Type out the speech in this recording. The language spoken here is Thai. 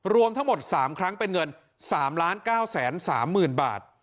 รวมทั้งหมด๓ครั้งเป็นเงิน๓๙๓๐๐๐บาท